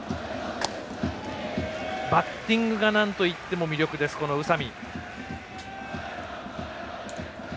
バッティングがなんといっても魅力です、この宇佐見。